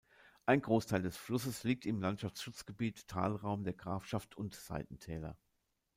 Ein Großteil des Flusses liegt im Landschaftsschutzgebiet Talraum der Grafschaft und Seitentäler.